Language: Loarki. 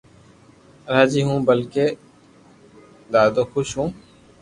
راجي ھون بلڪي ڌادو خوݾ ھون